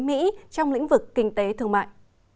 mỹ trong lĩnh vực kinh tế thương mại